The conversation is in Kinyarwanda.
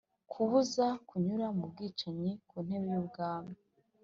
kubuza kunyura mu bwicanyi ku ntebe y'ubwami,